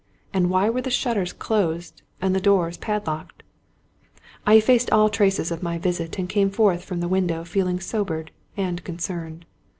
and why were the shutters closed and the doors padlocked ? I eifaced all traces of my visit, and came forth from the window feeling sobered and concerned.